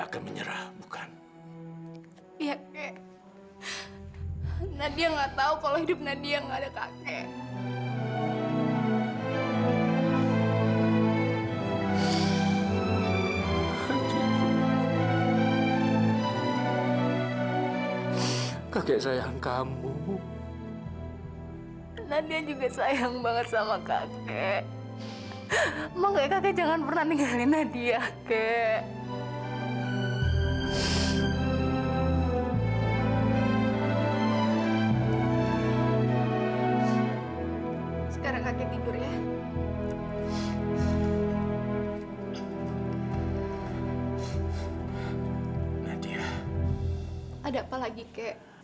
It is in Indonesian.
ada apa lagi kek